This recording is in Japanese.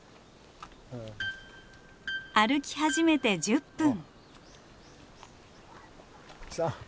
歩き始めて１０分。